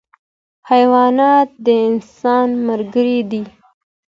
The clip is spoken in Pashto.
حیوانات د انسان ملګري دي.